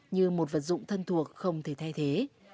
như một vật dụng thân thuộc không thể thay thế